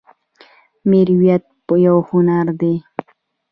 میریت یو هنر دی